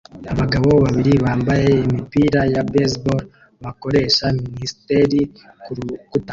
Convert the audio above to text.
Abagabo babiri bambaye imipira ya baseball bakoresha minisiteri kurukuta